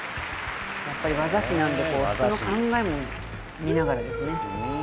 やっぱりわざしなんで、人の考えも見ながらですね。